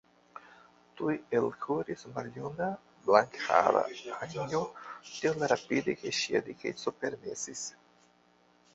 Tuj elkuris maljuna, blankhara Anjo, tiel rapide, kiel ŝia dikeco permesis.